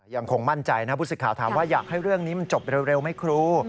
ยังคงมั่นใจนะบุษฎิขาถามว่าอยากให้เรื่องนี้จบเร็วไหมครู